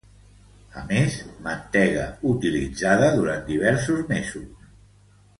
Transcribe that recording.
A més, mantega utilitzada durant diversos mesos.